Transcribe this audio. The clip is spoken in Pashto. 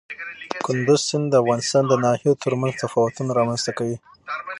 کندز سیند د افغانستان د ناحیو ترمنځ تفاوتونه رامنځ ته کوي.